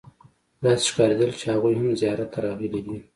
داسې ښکارېدل چې هغوی هم زیارت ته راغلي دي.